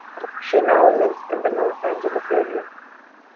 She now lives in the Los Angeles area.